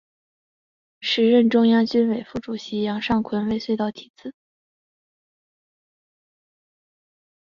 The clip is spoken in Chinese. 时任中央军委副主席杨尚昆为隧道题字。